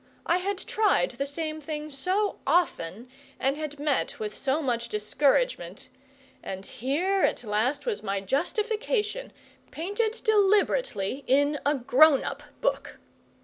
I had tried the same thing so often, and had met with so much discouragement; and here, at last, was my justification, painted deliberately in a grown up book!